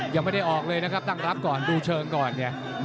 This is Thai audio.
ยังไม่ได้ออกเลยนะครับตั้งรับก่อนดูเชิงก่อนไง